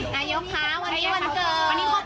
นายกค่ะวันนี้วันเกิด